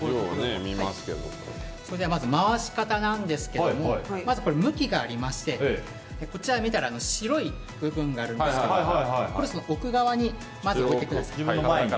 まず回し方なんですけどもまず向きがありましてこちら白い部分があるんですけどまず、奥側に置いてください。